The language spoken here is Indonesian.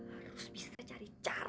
harus bisa cari cara